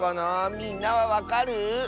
みんなはわかる？